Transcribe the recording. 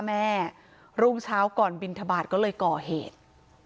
รุ่งเช้าก่อนบินทบาทก็เลยก่อเหตุ